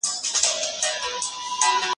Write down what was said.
هغه وويل چي موبایل کارول مهم دي.